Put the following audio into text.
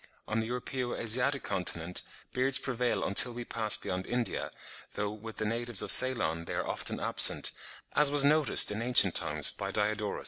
On the Europaeo Asiatic continent, beards prevail until we pass beyond India; though with the natives of Ceylon they are often absent, as was noticed in ancient times by Diodorus.